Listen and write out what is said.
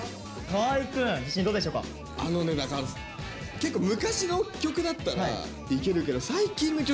結構昔の曲だったらいけるけどお！